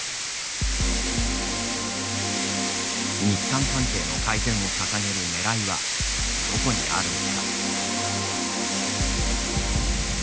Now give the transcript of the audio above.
日韓関係の改善を掲げるねらいはどこにあるのか。